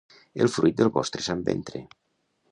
El fruit del vostre sant ventre.